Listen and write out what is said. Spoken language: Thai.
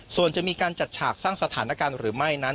ส่วนจะมีการจัดฉากสร้างสถานการณ์หรือไม่นั้น